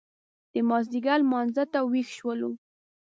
د مازیګر لمانځه ته وېښ شولو.